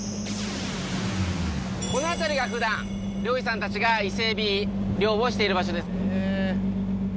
この辺りが普段漁師さんたちが伊勢えび漁をしている場所です。